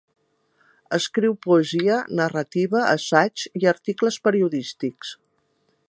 Escriu poesia, narrativa, assaig i articles periodístics.